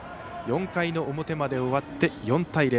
４回の表まで終わって４対０。